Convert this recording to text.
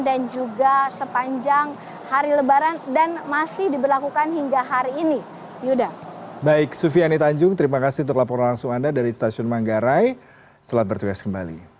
dan selain mengoperasikan tangga manual pada hari pertama usai cuti lebaran